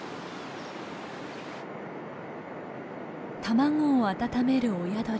卵を温める親鳥。